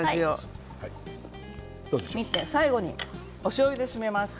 最後に、おしょうゆで締めます。